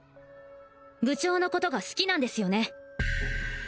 部長のことが好きなんですよね？